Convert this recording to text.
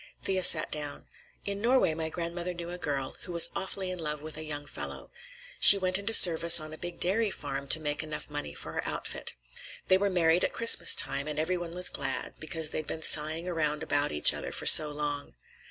Thea sat down. "In Norway my grandmother knew a girl who was awfully in love with a young fellow. She went into service on a big dairy farm to make enough money for her outfit. They were married at Christmastime, and everybody was glad, because they'd been sighing around about each other for so long.